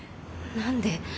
何で？